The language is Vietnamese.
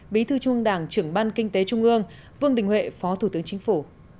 bí thư trung đảng trưởng ban kinh tế trung ương vương đình huệ phó thủ tướng chính phủ